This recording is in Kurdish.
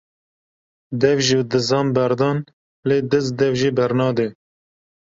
Dev ji dizan berdan lê diz dev jê bernade